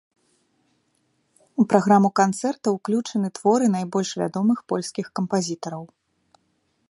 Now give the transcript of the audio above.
У праграму канцэрта ўключаны творы найбольш вядомых польскіх кампазітараў.